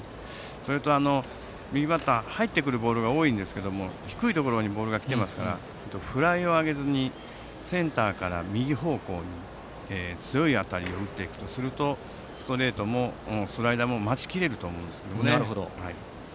それと、右バッターは入ってくるボールが多いんですが低いところに来ているのでフライを上げずにセンターから右方向に強い当たりを打っていくとするとストレートもスライダーも待ちきれると思います。